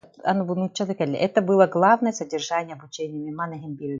Это было главное содержание обучения.